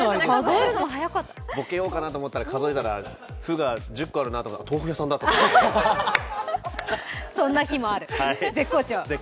ボケようかなと思ったら数えたら「フ」が１０個あるなと思ったらそんな日もある、絶好調。